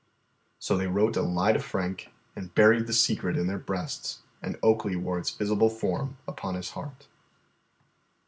So they wrote a lie to Frank, and buried the secret in their breasts, and Oakley wore its visible form upon his heart.